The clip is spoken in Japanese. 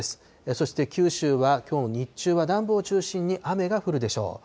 そして九州は、きょう日中は南部を中心に雨が降るでしょう。